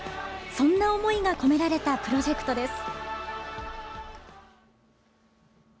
そんな思いが込められたプロジェクトです。